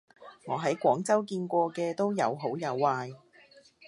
我喺廣州見過嘅都有好有壞